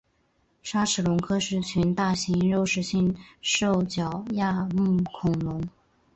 鲨齿龙科是群大型肉食性兽脚亚目恐龙。